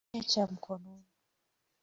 Sina cha mkononi,